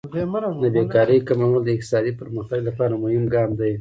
د بیکارۍ کمول د اقتصادي پرمختګ لپاره مهم ګام دی.